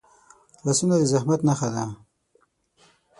لاسونه د زحمت نښه ده